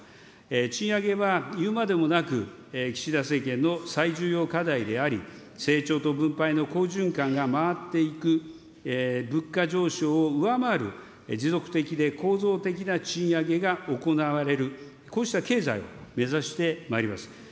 賃上げは言うまでもなく、岸田政権の最重要課題であり、成長と分配の好循環が回っていく、物価上昇を上回る持続的で構造的な賃上げが行われる、こうした経済を目指してまいります。